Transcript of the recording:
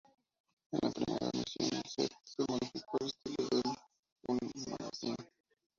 En la primera emisión, el set se modificó al estilo del de un magazín.